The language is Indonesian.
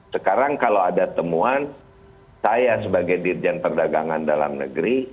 sekarang kalau ada temuan saya sebagai dirjen perdagangan dalam negeri